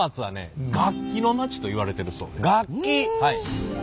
はい。